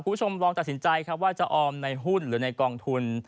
คุณผู้ชมลองตัดสินใจครับว่าจะออมในหุ้นหรือในกองทุน